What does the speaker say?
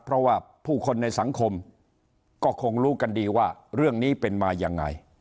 เพราะว่าผู้คนในสังคมก็คงรู้กันดีว่าเรื่องนี้เป็นมายังไง